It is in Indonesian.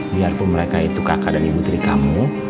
biarpun mereka itu kakak dan ibu tiri kamu